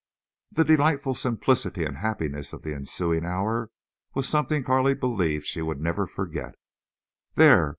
The delightful simplicity and happiness of the ensuing hour was something Carley believed she would never forget. "There!